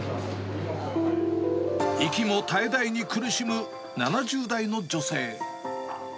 息も絶え絶えに苦しむ７０代の女性。